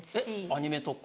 アニメとか？